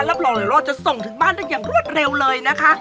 รับรองเลยว่าจะส่งถึงบ้านได้อย่างรวดเร็วเลยนะคะ